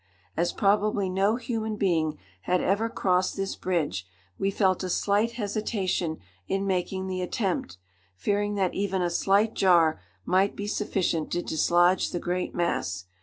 As probably no human being had ever crossed this bridge, we felt a slight hesitation in making the attempt, fearing that even a slight jar might be sufficient to dislodge the great mass.